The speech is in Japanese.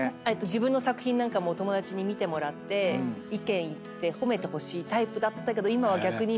自分の作品なんかもお友達に見てもらって意見言って褒めてほしいタイプだったけど今は逆に。